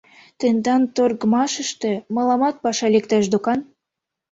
Тендан «Торгмашыште» мыламат паша лектеш докан.